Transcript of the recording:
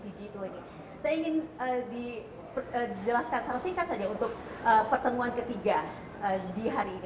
saya ingin dijelaskan secara singkat saja untuk pertemuan ketiga di hari ini